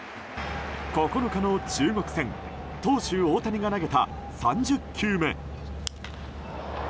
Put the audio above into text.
９日の中国戦投手・大谷が投げた３０球目。